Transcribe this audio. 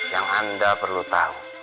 yang anda perlu tahu